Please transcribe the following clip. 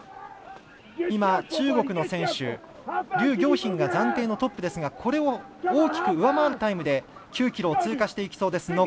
中国の選手、劉暁彬が暫定のトップですがこれを大きく上回るタイムで９ｋｍを通過していきそうです。